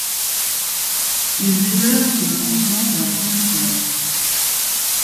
Ils hivernent sur le continent pour la première fois.